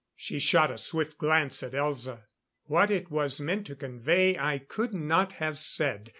She shot a swift glance to Elza. What it was meant to convey, I could not have said.